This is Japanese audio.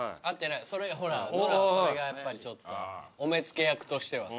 ほらノラはそれがやっぱりちょっとお目付役としてはさ。